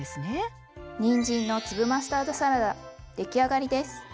にんじんの粒マスタードサラダ出来上がりです。